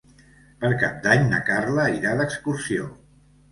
Per Cap d'Any na Carla irà d'excursió.